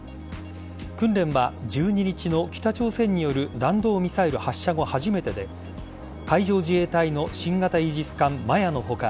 訓練は１２日の北朝鮮による弾道ミサイル発射後初めてで海上自衛隊の新型イージス艦「まや」の他